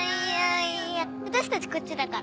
私たちこっちだから。